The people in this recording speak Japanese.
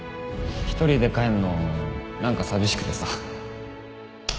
１人で帰んの何か寂しくてさ